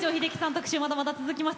特集まだまだ続きます。